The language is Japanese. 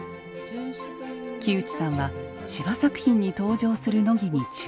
木内さんは司馬作品に登場する乃木に注目しました。